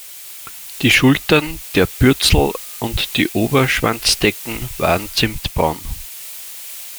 Die Schultern, der Bürzel und die Oberschwanzdecken waren zimtbraun.